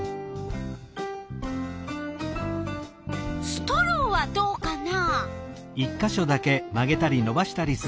ストローはどうかな？